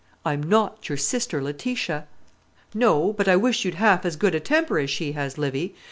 "I'm not your sister Letitia." "No; but I wish you'd half as good a temper as she has, Livy.